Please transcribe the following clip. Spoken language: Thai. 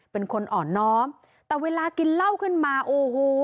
เป็นคนอ่อนน้อมแต่เวลากินเหล้าขึ้นมาโอ้โห